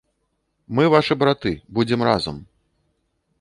Мы вашы браты, будзем разам.